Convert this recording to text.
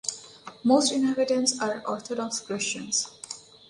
Most inhabitants are Orthodox Christians.